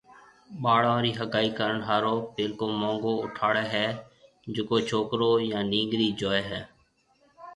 ٻاݪون رِي ھگائِي ڪرڻ ھارو پيلڪو مونگو اُٺاڙيَ ھيَََ جڪو ڇوڪرو يا نيڱرِي جوئيَ ھيَََ